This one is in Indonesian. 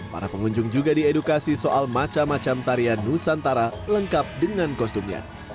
para pengunjung juga diedukasi soal macam macam tarian nusantara lengkap dengan kostumnya